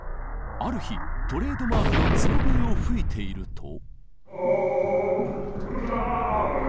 ある日トレードマークの角笛を吹いていると。